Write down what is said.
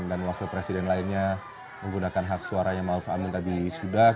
dan wakil presiden lainnya menggunakan hak suaranya maaf amin tadi sudak